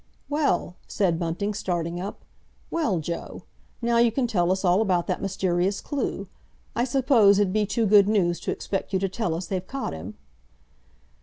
"Well?" said Bunting, starting up. "Well, Joe? Now you can tell us all about that mysterious clue. I suppose it'd be too good news to expect you to tell us they've caught him?"